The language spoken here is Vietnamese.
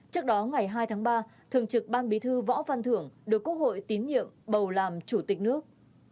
trước đó ngày hai tháng ba thường trực ban bí thư võ văn thưởng được quốc hội tín nhiệm bầu làm chủ tịch nước